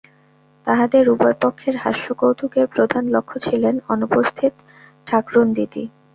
তাহাদের উভয়পক্ষের হাস্যকৌতুকের প্রধান লক্ষ্য ছিলেন অনুপস্থিত ঠাকরুনদিদি।